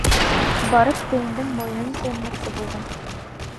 Барып тейендең муйынын сәйнәмәксе булды.